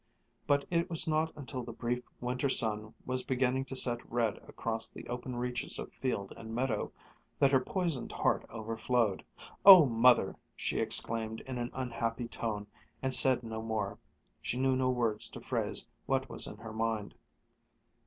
But it was not until the brief winter sun was beginning to set red across the open reaches of field and meadow that her poisoned heart overflowed. "Oh, Mother !" she exclaimed in an unhappy tone, and said no more. She knew no words to phrase what was in her mind.